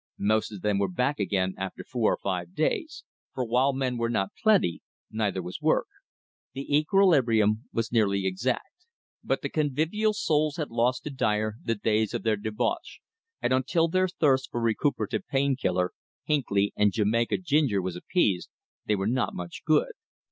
Most of them were back again after four or five days, for, while men were not plenty, neither was work. The equilibrium was nearly exact. But the convivial souls had lost to Dyer the days of their debauch, and until their thirst for recuperative "Pain Killer," "Hinckley" and Jamaica Ginger was appeased, they were not much good.